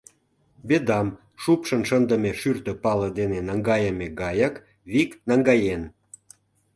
«Бедам», шупшын шындыме шӱртӧ пале дене наҥгайыме гаяк, вик наҥгаен.